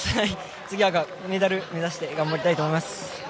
次はメダル目指して頑張りたいと思います。